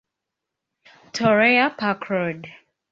Torreya Park Road.